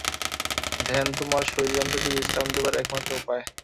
ধ্যানই তোমার শরীরযন্ত্রটিকে বিশ্রাম দিবার একমাত্র উপায়।